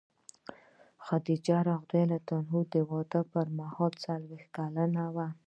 خدیجه رض د واده پر مهال څلوېښت کلنه وه.